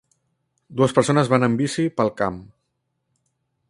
Dues persones van en bici pel camp.